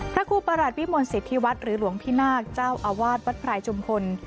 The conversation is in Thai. พระครูปรัชน์วิมวลศิษฐีวัตรหรือหลวงพินาคเจ้าอาวาสวัดพรายจมพล